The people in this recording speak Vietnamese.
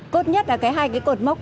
cốt nhất là cái hai cái cột mốc